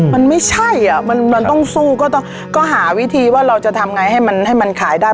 มันไม่ใช่อ่ะมันต้องสู้ก็ต้องก็หาวิธีว่าเราจะทำไงให้มันให้มันขายได้